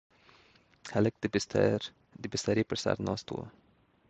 هلک د بسترې پر سر ناست و.